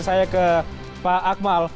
saya ke pak akmal